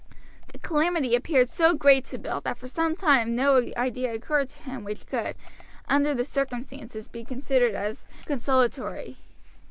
The calamity appeared so great to Bill that for some time no idea occurred to him which could, under the circumstances, be considered as consolatory.